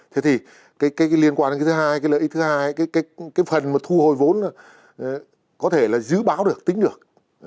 thế thì cái liên quan đến cái thứ hai cái lợi ích thứ hai cái phần mà thu hồi vốn có thể là dự báo được tính được